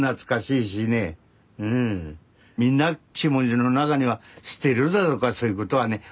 みんな気持ちの中には捨てるだとかそういうことはねえ。